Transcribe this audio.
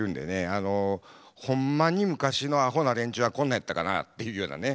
あのホンマに昔のあほな連中がこんなやったかなっていうようなね